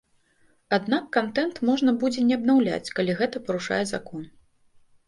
Аднак кантэнт можна будзе не аднаўляць, калі гэта парушае закон.